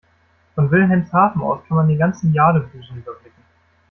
Von Wilhelmshaven aus kann man den ganzen Jadebusen überblicken.